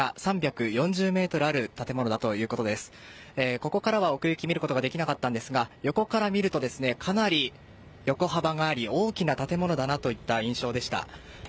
ここからは奥行きを見ることはできなかったんですが横から見るとかなり横幅があり大きな建物だという印象でした。